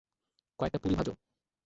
কয়েকটা পুরি ভাজো।